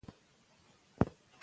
څوک د تعلیم مخه نیسي؟